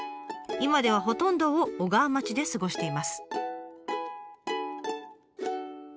今ではほとんどを小川町で過ごしています。